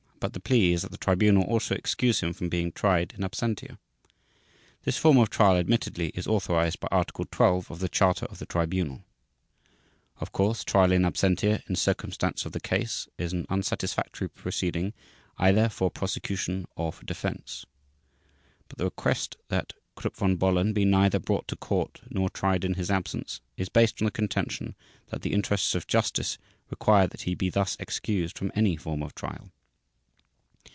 But the plea is that the Tribunal also excuse him from being tried in absentia. This form of trial admittedly is authorized by Article 12 of the Charter of the Tribunal. Of course, trial in absentia in circumstance of the case is an unsatisfactory proceeding either for prosecution or for defense. But the request that Krupp von Bohlen be neither brought to court nor tried in his absence is based on the contention that "the interests of justice" require that he be thus excused from any form of trial.